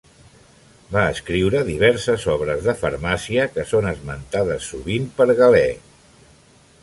Va escriure diverses obres de farmàcia que són esmentades sovint per Galè.